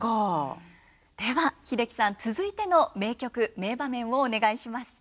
では英樹さん続いての名曲名場面をお願いします。